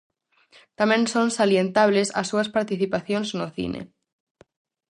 Tamén son salientables as súas participacións no cine.